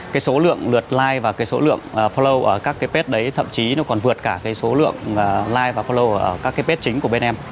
cái số lượng lượt like và cái số lượng follow ở các cái page đấy thậm chí nó còn vượt cả cái số lượng like và follow ở các cái page chính của bên em